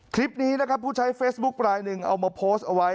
คลิปนี้นะครับผู้ใช้เฟซบุ๊คลายหนึ่งเอามาโพสต์เอาไว้